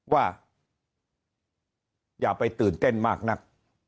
ว่าอย่าไปตื่นเต้นมากนัก